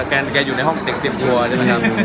แกอยู่ในห้องเต็กเป็นกัวใช่ไหมครับ